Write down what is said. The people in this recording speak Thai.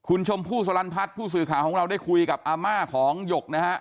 คุณชมพู่สลันพัฒน์ผู้สื่อข่าวของเราได้คุยกับอาม่าของหยกนะฮะ